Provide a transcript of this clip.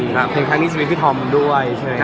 เพลงครั้งนี้ชีวิตพี่ธอมด้วยใช่ไหมครับ